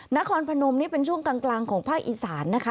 นครพนมนี่เป็นช่วงกลางของภาคอีสานนะคะ